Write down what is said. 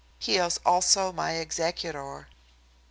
He is also my executor.